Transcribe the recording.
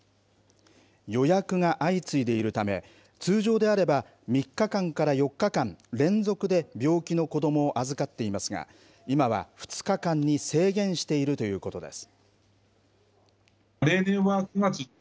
予約が相次いでいるため、通常であれば３日間から４日間、連続で病気の子どもを預かっていますが、今は２日間に制限しているということです。